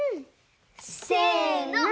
せの！